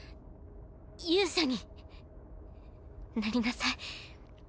勇者になりなさい。